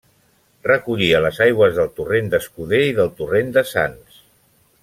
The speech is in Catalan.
Recollia les aigües del torrent d'Escuder i del torrent de Sants.